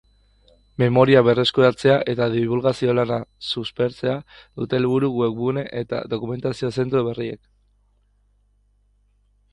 Memoria berreskuratzea eta dibulgazio lana suspertzea dute helburu webgune eta dokumentazio zentro berriek.